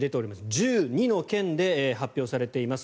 １２の県で発表されています。